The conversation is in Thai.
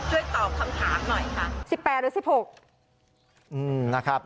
ช่วยตอบคำถามหน่อยค่ะสิบแปดหรือสิบหกอืมนะครับ